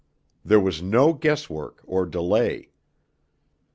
There was no guess work or delay.